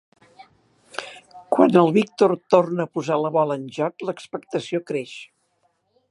Quan el Víctor torna a posar la bola en joc l'expectació creix.